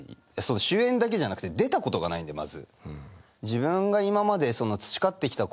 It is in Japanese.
主演だけじゃなくて出たことがないんでまず。